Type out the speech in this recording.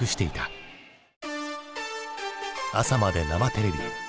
「朝まで生テレビ！」。